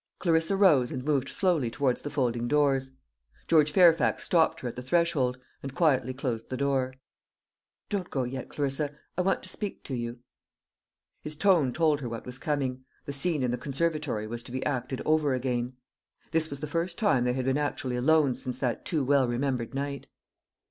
Clarissa rose and moved slowly towards the folding doors. George Fairfax stopped her at the threshold, and quietly closed the door. "Don't go yet, Clarissa. I want to speak to you." His tone told her what was coming the scene in the conservatory was to be acted over again. This was the first time they had been actually alone since that too well remembered night.